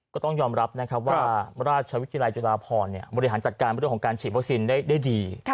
ก็ต้องยอมรับนะครับว่าราชวิทยาลัยจุฬาพรบริหารจัดการเรื่องของการฉีดวัคซีนได้ดี